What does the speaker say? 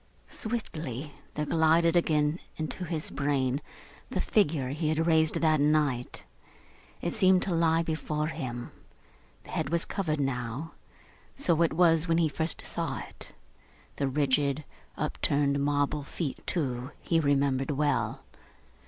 Swiftly, there glided again into his brain the figure he had raised that night. It seemed to lie before him. The head was covered now. So it was when he first saw it. The rigid, upturned, marble feet too, he remembered well.